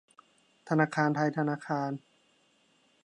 ธนาคารไทยธนาคาร